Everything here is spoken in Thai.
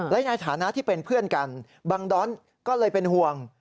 และในฐานะที่เป็นเพื่อนกันบังดอนก็เลยเป็นห่วง